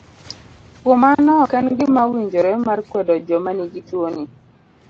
Kuom mano ok en gima owinjore mar kwedo joma nigi tuoni.